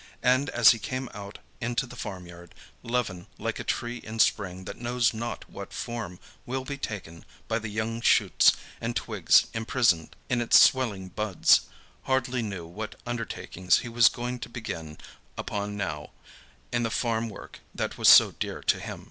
And, as he came out into the farmyard, Levin, like a tree in spring that knows not what form will be taken by the young shoots and twigs imprisoned in its swelling buds, hardly knew what undertakings he was going to begin upon now in the farm work that was so dear to him.